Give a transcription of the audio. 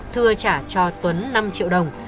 thừa trả cho tuấn năm triệu đồng